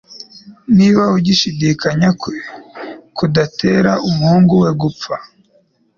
niba ugushidikanya kwe kudatera umuhungu we gupfa.